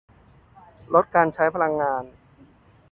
- ลดการใช้พลังงาน